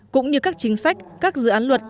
cũng như các chính sách các dự án luật